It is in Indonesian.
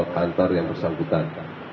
kantor yang bersangkutan